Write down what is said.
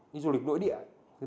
đi du lịch nội địa